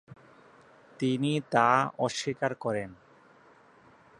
তিনি তা অস্বীকার করেন।